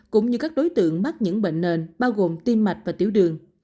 cũng như các đối tượng mắc những bệnh nền bao gồm tim mạch và tiểu đường